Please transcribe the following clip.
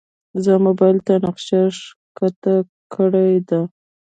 زه موبایل ته نقشه ښکته کړې ده.